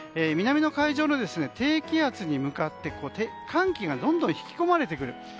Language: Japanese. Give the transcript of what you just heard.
南の海上の低気圧に向かって寒気がどんどん引き込まれてくる。